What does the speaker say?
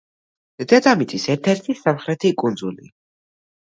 დედამიწის ერთ-ერთი სამხრეთი კუნძული.